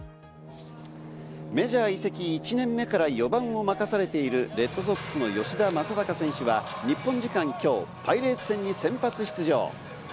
メジャー移籍１年目から４番を任されているレッドソックスの吉田正尚選手は、日本時間の今日、パイレーツ戦に先発出場。